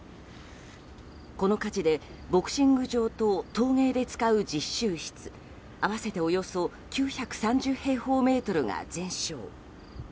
この火事で、ボクシング場と陶芸で使う実習室合わせておよそ９３０平方メートルが全焼。